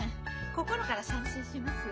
心から賛成します。